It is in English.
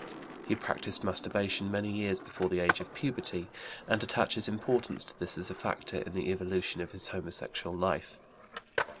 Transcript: He practised masturbation many years before the age of puberty, and attaches importance to this as a factor in the evolution of his homosexual life.